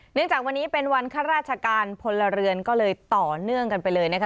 จากวันนี้เป็นวันข้าราชการพลเรือนก็เลยต่อเนื่องกันไปเลยนะคะ